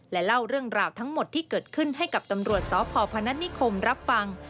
และเล่าเรื่องราวทั้งหมดที่เกิดขึ้นให้กับตำรวจสพพนัฐนิคมรับฟัง